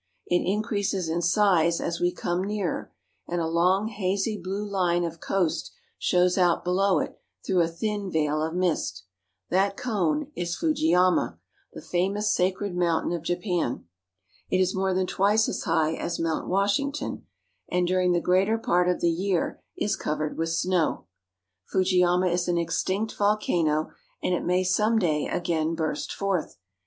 It increases in size as we come nearer, and a long hazy blue line of coast shows out below it through a thin veil of mist. That cone is Fujiyama (foo je ya'ma), the famous sacred mountain of Japan. It is more than twice as high as Mount Wash ington, and during the greater part of the year is covered with snow. Fujiyama is an extinct volcano, and it may some day again burst forth.